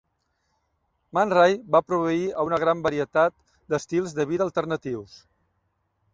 Manray va proveir a una gran varietat de estils de vida alternatius.